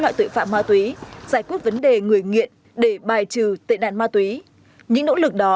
loại tội phạm ma túy giải quyết vấn đề người nghiện để bài trừ tệ nạn ma túy những nỗ lực đó